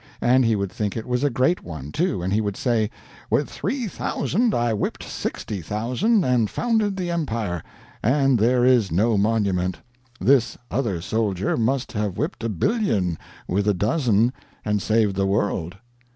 And he would think it was a great one, too, and he would say, "With three thousand I whipped sixty thousand and founded the Empire and there is no monument; this other soldier must have whipped a billion with a dozen and saved the world."